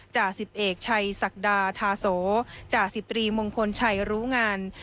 จ่าสิบเอกชัยศักดาธาโสจ่าสิบตรีมงคลชัยรู้งาน